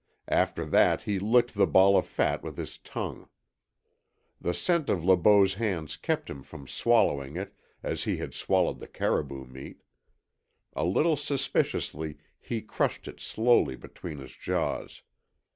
After that he licked the ball of fat with his tongue. The scent of Le Beau's hands kept him from swallowing it as he had swallowed the caribou meat. A little suspiciously he crushed it slowly between his jaws.